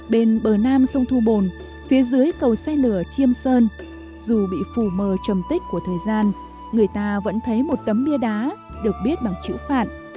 bên bờ nam sông thu bồn phía dưới cầu xe lửa chiêm sơn dù bị phù mờ trầm tích của thời gian người ta vẫn thấy một tấm bia đá được biết bằng chữ phản